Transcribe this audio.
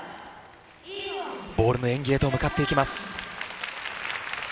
ボールの演技へと向かっていきます。